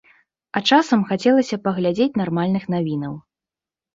А часам хацелася паглядзець нармальных навінаў.